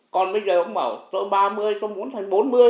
còn bây giờ ông bảo tôi ba mươi tôi muốn thành bốn mươi